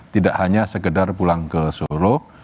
tidak hanya sekedar pulang ke solo